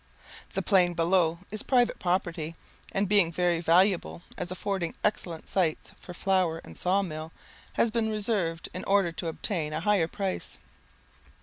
The plain below is private property, and being very valuable, as affording excellent sites for flour and saw mills, has been reserved in order to obtain a higher price.